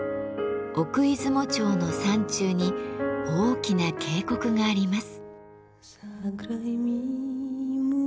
奥出雲町の山中に大きな渓谷があります。